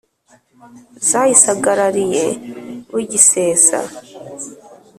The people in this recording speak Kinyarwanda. Zayigaragariye bugisesa;